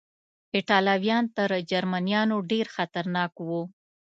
ایټالویان تر جرمنیانو ډېر خطرناک و.